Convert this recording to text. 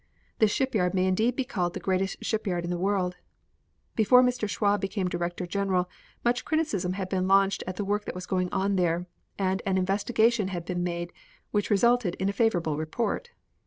This shipyard may indeed be called the greatest shipyard in the world. Before Mr. Schwab became Director General much criticism had been launched at the work that was going on there, and an investigation had been made which resulted in a favorable report.